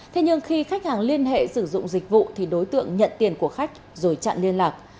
thế nhưng khi khách hàng liên hệ sử dụng dịch vụ thì đối tượng nhận tiền của khách rồi chặn liên lạc